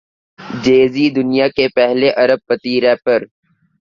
جے Z دنیا کے پہلے ارب پتی ریپر